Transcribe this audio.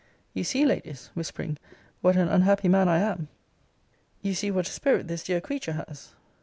You see, Ladies, [whispering,] what an unhappy man I am! You see what a spirit this dear creature has!